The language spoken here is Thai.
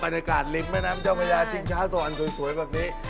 บรรยากาศลิฟต์แม่น้ำเจ้ามัญญาชิงช้าโสอันสวยแบบนี้